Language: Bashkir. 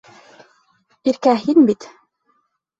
Иркә, һин бит?